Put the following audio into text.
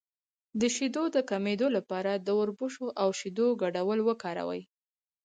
د شیدو د کمیدو لپاره د وربشو او شیدو ګډول وکاروئ